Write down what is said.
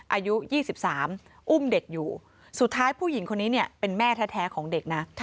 อายุ๒๓อุ้มเด็กอยู่สุดท้ายผู้หญิงคนนี้เนี่ยเป็นแม่แท้ของเด็กนะ